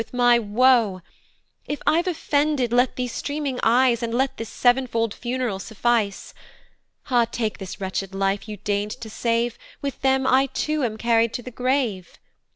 with my woe; "If I've offended, let these streaming eyes, "And let this sev'nfold funeral suffice: "Ah! take this wretched life you deign'd to save, "With them I too am carried to the grave.